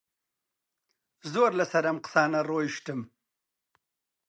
زۆر لەسەر ئەم قسانە ڕۆیشتم